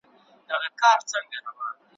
زه خواړه سم مزه داره ته مي خوند نه سې څکلای `